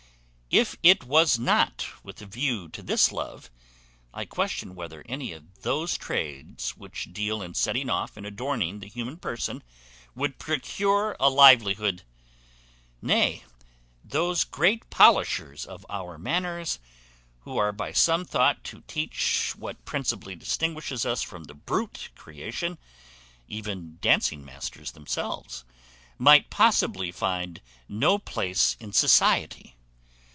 If it was not with a view to this love, I question whether any of those trades which deal in setting off and adorning the human person would procure a livelihood. Nay, those great polishers of our manners, who are by some thought to teach what principally distinguishes us from the brute creation, even dancing masters themselves, might possibly find no place in society.